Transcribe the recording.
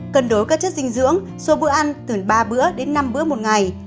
các chất dinh dưỡng số bữa ăn từ ba bữa đến năm bữa một ngày